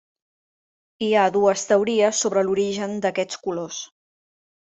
Hi ha dues teories sobre l'origen d'aquests colors.